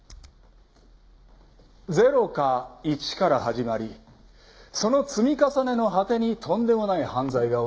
０か１から始まりその積み重ねの果てにとんでもない犯罪が起きる。